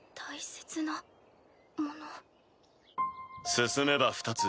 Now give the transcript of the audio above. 進めば２つ。